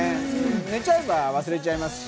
寝ちゃえば忘れますし。